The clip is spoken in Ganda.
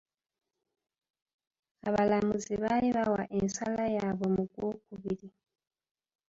Abalamuzi baali bawa ensala yaabwe mu Gwokubiri.